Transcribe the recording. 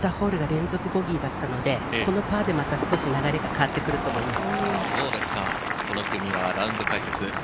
この前の２ホールが連続ボギーだったので、このパーでまた少し流れが変わってくると思います。